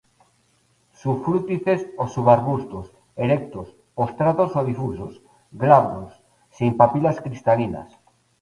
Sufrútices o subarbustos, erectos, postrados o difusos, glabros, sin papilas cristalinas.